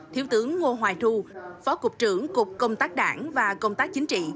thiếu tướng ngô hoài thu phó cục trưởng cục công tác đảng và công tác chính trị